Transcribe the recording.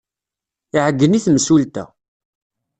Iɛeyyen i temsulta.